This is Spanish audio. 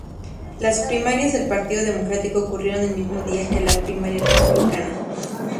Las primarias del partido democrático ocurrieron el mismo día que la Primaria republicana.